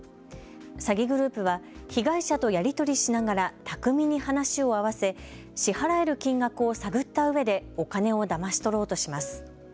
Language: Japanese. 詐欺グループは被害者とやり取りしながら巧みに話を合わせ支払える金額を探ったうえでお金をだまし取ろうとします。